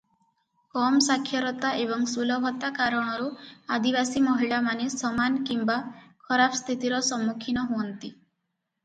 କମ୍ ସାକ୍ଷରତା ଏବଂ ସୁଲଭତା କାରଣରୁ ଆଦିବାସୀ ମହିଳାମାନେ ସମାନ କିମ୍ବା ଖରାପ ସ୍ଥିତିର ସମ୍ମୁଖୀନ ହୁଅନ୍ତି ।